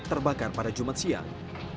terbakar pada jumat siang